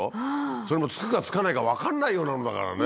それも着くか着かないか分かんないようなのだからね。